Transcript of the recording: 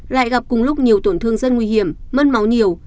lại gặp cùng lúc nhiều tổn thương rất nguy hiểm mất máu nhiều